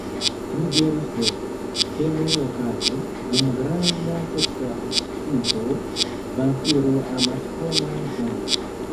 Mi diris do, ke nur okaze, dum granda seksa ekscito, vampiroj amas homan sangon.